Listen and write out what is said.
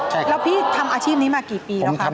ใช่แล้วพี่ทำอาชีพนี้มากี่ปีแล้วครับ